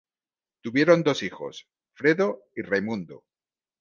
Tuvieron dos hijos: Fredo y Raimundo.